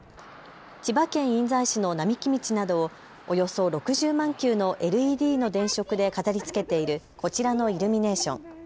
千葉県印西市の並木道などをおよそ６０万球のＬＥＤの電飾で飾りつけているこちらのイルミネーション。